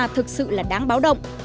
thực sự là đáng báo động